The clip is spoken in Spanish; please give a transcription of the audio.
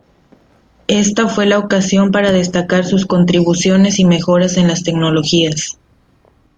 Esta fue la ocasión para destacar sus contribuciones y mejoras en las tecnologías.